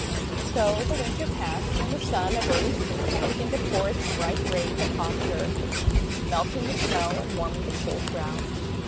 So the Winter passed and the Sun of early Springtime began to pour its bright rays upon the earth, melting the Snow and warming the cold ground.